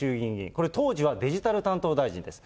これ、当時はデジタル担当大臣です。